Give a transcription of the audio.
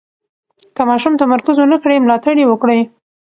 که ماشوم تمرکز ونه کړي، ملاتړ یې وکړئ.